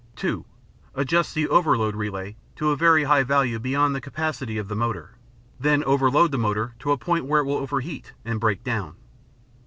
(2) Adjust the overload relay to a very high value beyond the capacity of the motor. Then overload the motor to a point where it will overheat and break down.